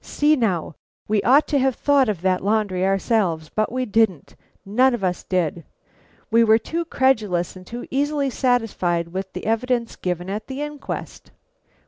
See now! we ought to have thought of that laundry ourselves; but we didn't, none of us did; we were too credulous and too easily satisfied with the evidence given at the inquest.